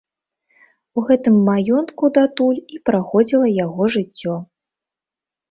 У гэтым маёнтку датуль і праходзіла яго жыццё.